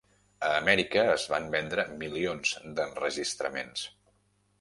A Amèrica es van vendre milions d'enregistraments.